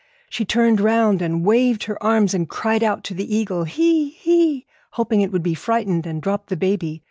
She turned round and waved her arms and cried out to the eagle, 'He! he!' hoping it would be frightened and drop the baby.